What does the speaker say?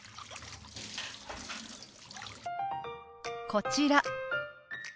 こちら。